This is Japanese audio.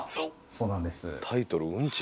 そうなんです。